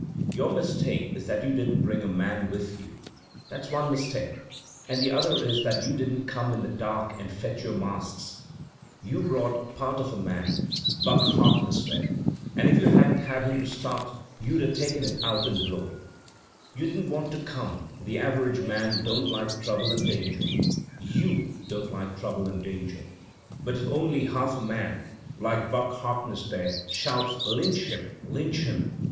Your mistake is that you didn't bring a man with you; that's one mistake, and the other is that you didn't come in the dark and fetch your masks. You brought part Digitized by Google 262 THE SPmiT OP AMERICAN LITERATURE of a man — Buck Harkness, there — and if you hadn't had him to start you, you'd a taken it out in blowing. "*You didn't want to come. The average man don't like trouble and danger. You don't like trouble and danger. But if only half a man — like Buck Harkness, there — shouts "Lynch him! lynch him!''